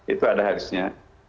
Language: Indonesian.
itu ada hadisnya